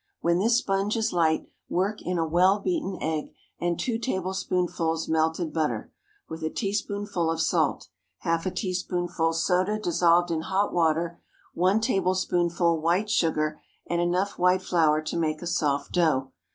When this sponge is light, work in a well beaten egg and two tablespoonfuls melted butter, with a teaspoonful of salt, half a teaspoonful soda dissolved in hot water, one tablespoonful white sugar and enough white flour to make a soft dough.